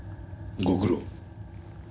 ご苦労。